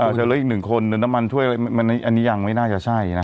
อ่าเจอแล้วอีกหนึ่งคนเนื้อน้ำมันถ้วยอะไรมันอันนี้ยังไม่น่าจะใช่นะฮะ